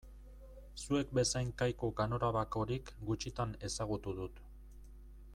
Zuek bezain kaiku ganorabakorik gutxitan ezagutu dut.